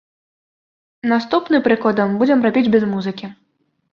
Наступны, прыкладам, будзем рабіць без музыкі.